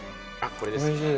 これです